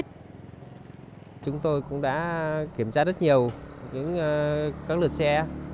trong trường hợp này chúng tôi cũng đã kiểm tra rất nhiều các lượt xe